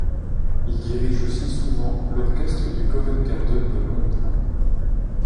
Il dirige aussi souvent l'orchestre du Covent Garden de Londres.